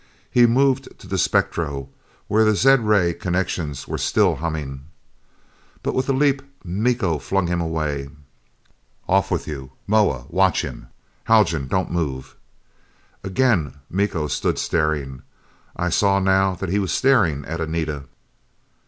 He moved to the spectro, where the zed ray connections were still humming. But, with a leap, Miko flung him away. "Off with you! Moa, watch him! Haljan, don't move!" Again Miko stood staring. I saw now that he was staring at Anita!